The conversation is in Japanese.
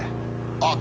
あっ！